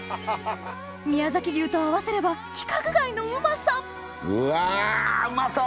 宮崎牛と合わせれば規格外のうまさうわうまそう！